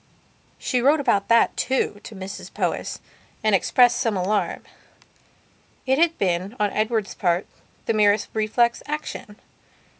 She wrote about that, too, to Mrs Powys, and expressed some alarm. It had been, on Edward's part, the merest reflex action.